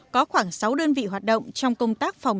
có khoảng sáu đơn vị hoạt động trong công tác phòng